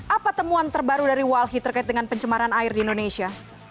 apa temuan terbaru dari walhi terkait dengan pencemaran air di indonesia